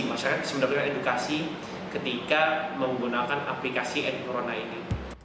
masyarakat sebenarnya edukasi ketika menggunakan aplikasi n corona ini